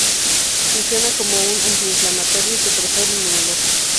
Funciona como un antiinflamatorio y supresor inmunológico.